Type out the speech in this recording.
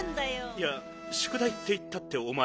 いやしゅくだいっていったっておまえ。